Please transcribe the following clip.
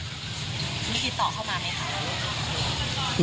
มีติดต่อเข้ามาไหมคะ